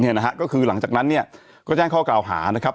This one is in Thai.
นะฮะก็คือหลังจากนั้นเนี่ยก็แจ้งข้อกล่าวหานะครับ